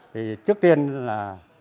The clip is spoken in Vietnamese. thì trước tiên là